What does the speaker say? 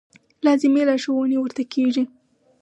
لازمې لارښوونې ورته کېږي.